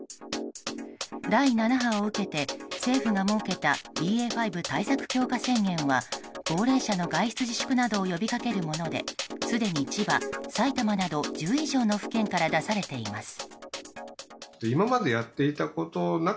第７波を受けて政府が設けたＢＡ．５対策強化宣言は高齢者の外出自粛などを呼びかけるものですでに千葉、埼玉など１０以上の府県から出されています。